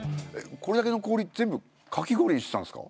これだけの氷全部かき氷にしてたんですか？